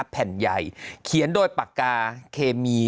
แผ่นใหญ่เขียนโดยปากกาเคมี